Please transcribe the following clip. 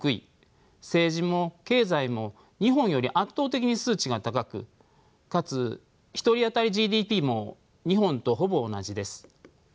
政治も経済も日本より圧倒的に数値が高くかつ１人当たりＧＤＰも日本とほぼ同じです。